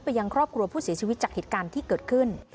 ยังครอบครัวผู้เสียชีวิตจากเหตุการณ์ที่เกิดขึ้น